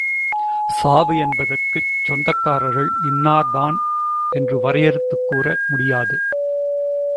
சாவு என்பதற்குச் சொந்தக்காரர்கள் இன்னார் தான் என்று வரையறுத்துக் கூற முடியாது.